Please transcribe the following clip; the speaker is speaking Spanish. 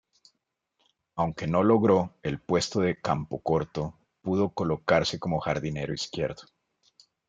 Aunque no logró el puesto de campocorto, pudo colocarse como jardinero izquierdo.